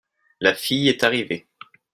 la fille est arrivée.